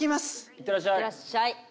いってらっしゃい。